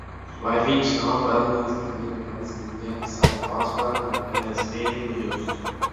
Vai viņš nav pelnījis, ka viņu kāds ņem savā paspārnē, kā es pieņēmu jūs?